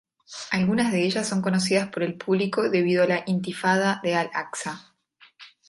Algunas de ellas son conocidas por el público debido a la intifada de Al-Aqsa.